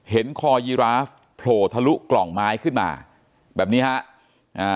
เห็นคอยีราฟโผล่ทะลุกล่องไม้ขึ้นมาแบบนี้ครับ